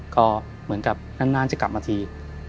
ก็เหมือนกับนานจะกลับมาที